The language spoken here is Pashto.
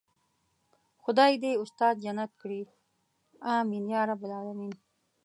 خدای دې استاد جنت کړي آمين يارب العالمين.